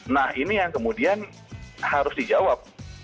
nah ini yang kemudian harus dijawab